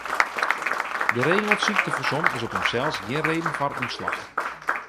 Geregeld syktefersom is op himsels gjin reden foar ûntslach.